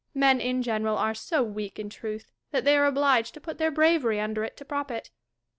Men, in general, are BO weak in truth, that tliey are obliged to put theii bravery under it to prop it.